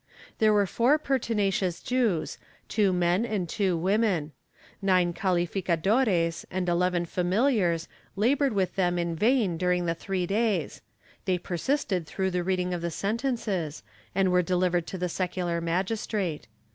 There were four pertinacious Jews, two men and two women. Nine calificadores and eleven familiars labored with them in vain during the three days; they persisted through the reading of the sentences and were delivered to the secular magis trate.